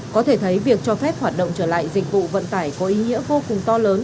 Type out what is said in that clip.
có thể thấy việc cho phép hoạt động trở lại dịch vụ vận tải có ý nghĩa vô cùng to lớn